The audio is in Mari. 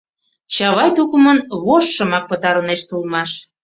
Чавай тукымын вожшымак пытарынешт улмаш.